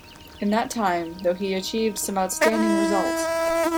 In that time though he achieved some outstanding results.